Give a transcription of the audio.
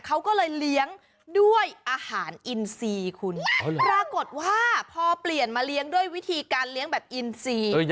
เขาก็เลยเลี้ยงด้วยอาหารอินซีคุณปรากฏว่าพอเปลี่ยนมาเลี้ยงด้วยวิธีการเลี้ยงแบบอินซี